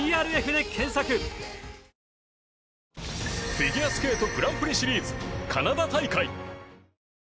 フィギュアスケートグランプリシリーズカナダ大会。